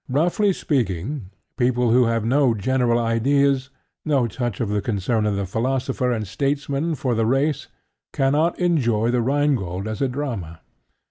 Roughly speaking, people who have no general ideas, no touch of the concern of the philosopher and statesman for the race, cannot enjoy The Rhine Gold as a drama.